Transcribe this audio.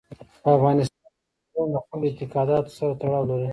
په افغانستان کې سیندونه د خلکو د اعتقاداتو سره تړاو لري.